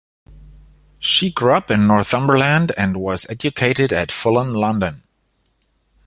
She grew up in Northumberland, and was educated at Fulham, London.